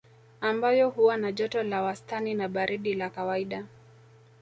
Ambayo huwa na joto la wastani na baridi la kawaida